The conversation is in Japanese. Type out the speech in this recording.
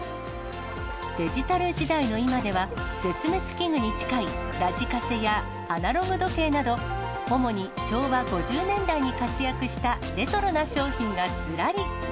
デジタル時代の今では、絶滅危惧に近いラジカセやアナログ時計など、主に昭和５０年代に活躍したレトロな商品がずらり。